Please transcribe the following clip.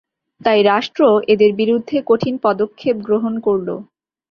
তাই রাষ্ট্র এদের বিরুদ্ধে কঠিন পদক্ষেপ গ্রহণ করল।